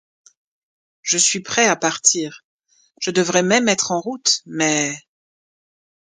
Je suis prêt à partir... je devrais même être en route... mais...